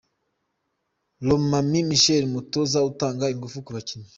Lomami Marcel umutoza utanga ingufu ku bakinnyi.